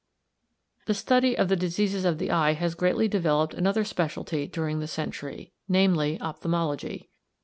The study of the diseases of the eye has greatly developed another specialty during the century, viz., ophthalmology.